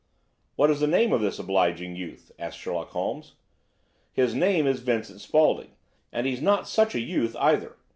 "What is the name of this obliging youth?" asked Sherlock Holmes. "His name is Vincent Spaulding, and he's not such a youth, either.